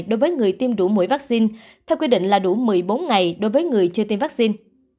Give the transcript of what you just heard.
đối với người tiêm đủ mũi vaccine theo quy định là đủ một mươi bốn ngày đối với người chưa tiêm vaccine